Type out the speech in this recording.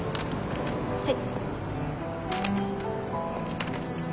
はい。